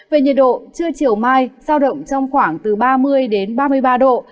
về nhiệt độ trưa chiều mai sao động trong khoảng từ ba mươi đến ba mươi ba độ